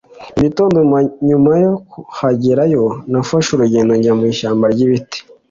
mu gitondo nyuma yo kuhagerayo, nafashe urugendo njya mu ishyamba ry'ibiti